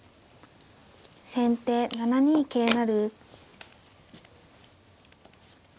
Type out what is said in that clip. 先手７二桂成。